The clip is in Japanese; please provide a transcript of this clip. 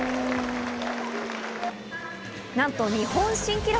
なんと日本新記録。